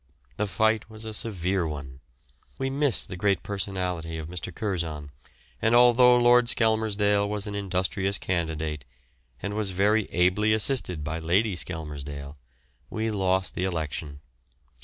The fight was a severe one. We missed the great personality of Mr. Curzon, and although Lord Skelmersdale was an industrious candidate, and was very ably assisted by Lady Skelmersdale, we lost the election.